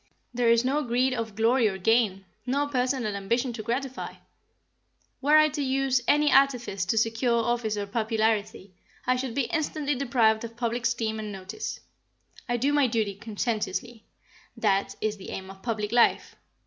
There is no greed of glory or gain; no personal ambition to gratify. Were I to use any artifice to secure office or popularity, I should be instantly deprived of public esteem and notice. I do my duty conscientiously; that is the aim of public life.